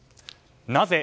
なぜ？